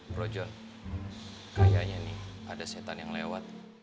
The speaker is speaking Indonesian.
bro john kayaknya nih ada setan yang lewat